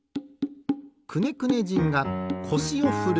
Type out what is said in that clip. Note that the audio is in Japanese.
くねくね人がこしをふる。